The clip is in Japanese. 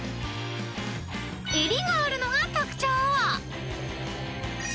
［襟があるのが特徴］